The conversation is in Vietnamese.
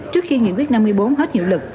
trước khi nghị quyết năm mươi bốn hết hiệu lực